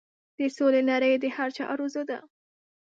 د سولې نړۍ د هر چا ارزو ده.